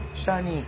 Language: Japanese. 下に。